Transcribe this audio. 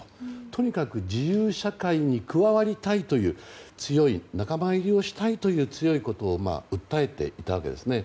とにかく自由社会に加わりたいという仲間入りをしたいという強いことを訴えていたわけですね。